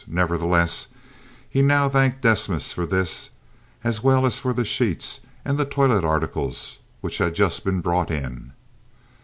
Nevertheless, he now thanked Desmas for this, as well as for the sheets and the toilet articles which had just been brought in.